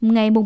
ngày mùng ba